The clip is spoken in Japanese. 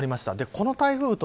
この台風と